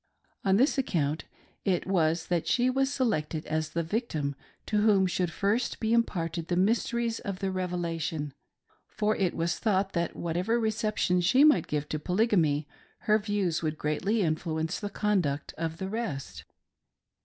On this ac count it was that she was selected as the victim to whom should first be imparted the mysteries of the Revelation, for it was thought that whatever reception she might give to Polyga my, her views would greatly influence the conduct of the rest.